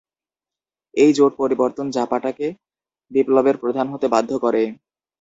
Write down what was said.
এই জোট পরিবর্তন জাপাটাকে বিপ্লবের প্রধান হতে বাধ্য করে।